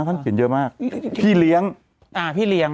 ท่านเขียนเยอะมากพี่เลี้ยง